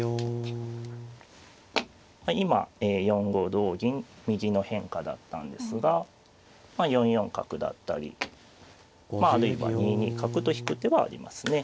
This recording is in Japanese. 今４五同銀右の変化だったんですがまあ４四角だったりあるいは２二角と引く手はありますね。